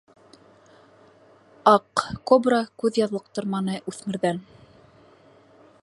Аҡ Кобра күҙ яҙлыҡтырманы үҫмерҙән.